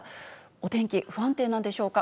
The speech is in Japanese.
お天気、不安定なんでしょうか。